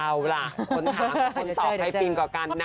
เอาล่ะคนถามว่าเดี๋ยวตอบใครพิมกว่ากันนะ